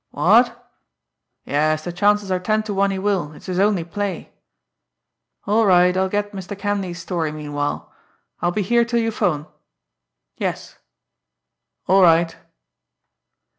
What?... Yes, the chances are ten to one he will, it's his only play.... All right, I'll get Mr. Kenleigh's story meanwhile.... I'll be here till you 'phone.... Yes.... All right!"